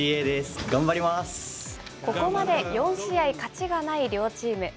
ここまで４試合勝ちがない両チーム。